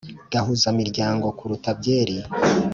gahuzamiryango kuruta byeri